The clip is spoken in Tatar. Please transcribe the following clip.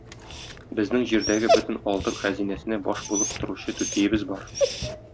Безнең җирдәге бөтен алтын хәзинәсенә баш булып торучы түтиебез бар.